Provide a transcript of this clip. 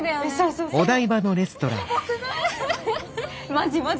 マジマジ。